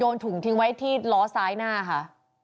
ถุงทิ้งไว้ที่ล้อซ้ายหน้าค่ะ